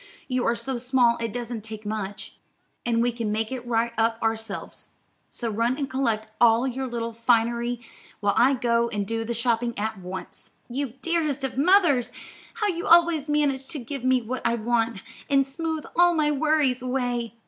You are so small it doesn't take much, and we can make it right up ourselves. So run and collect all your little finery, while I go and do the shopping at once." "You dearest of mothers! how you always manage to give me what I want, and smooth all my worries away.